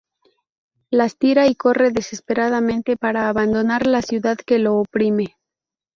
Las tira y corre desesperadamente para abandonar la ciudad que lo oprime.